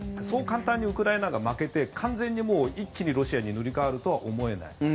そう簡単にウクライナが負けて完全に一気にロシアに塗り替わるとは思えない。